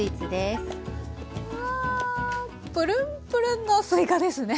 プルンプルンのすいかですね。